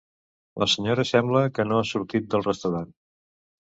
La senyora sembla que no ha sortit del restaurant.